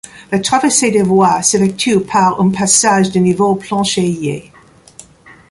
La traversée des voies s'effectue par un passage de niveau planchéié.